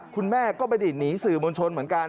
คุณแม่ก็ไม่ได้หนีสื่อมวลชนเหมือนกัน